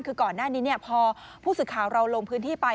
คือก่อนหน้านี้พอผู้สื่อข่าวเราลงพื้นที่ไป